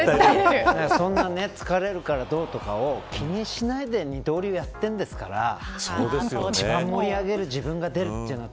そんな、疲れるからどうとかを気にしないで二刀流をやってるんですから一番盛り上げる自分が出るというのは